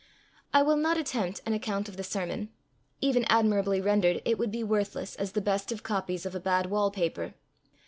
I will not attempt an account of the sermon; even admirably rendered, it would be worthless as the best of copies of a bad wall paper.